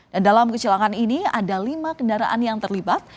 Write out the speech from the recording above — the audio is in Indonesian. dan dalam kecelakaan ini ada lima kendaraan yang terlibat